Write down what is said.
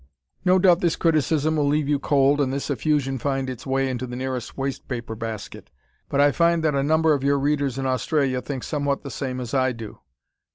No doubt this criticism will leave you cold and this effusion find its way into the nearest waste paper basket, but I find that a number of your readers in Australia think somewhat the same as I do.